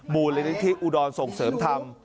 บูรณิธิอุดรส่งเสริมทำ